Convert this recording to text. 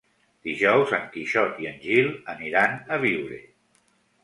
Dijous en Quixot i en Gil aniran a Biure.